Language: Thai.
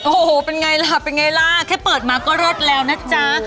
โอ้โหเป็นไงล่ะเป็นไงล่ะแค่เปิดมาก็เลิศแล้วนะจ๊ะ